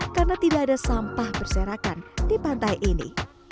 karena tidak ada sampah berserakan di pantai ini